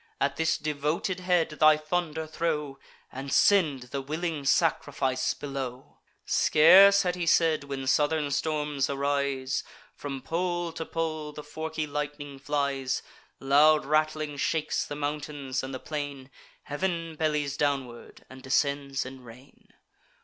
At this devoted head thy thunder throw, And send the willing sacrifice below!" Scarce had he said, when southern storms arise: From pole to pole the forky lightning flies; Loud rattling shakes the mountains and the plain; Heav'n bellies downward, and descends in rain.